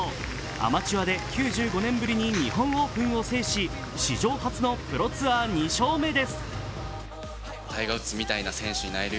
アマチュアで９５年ぶりに日本オープンを制し史上初のプロツアー２勝目です。